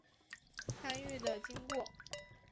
参与的经过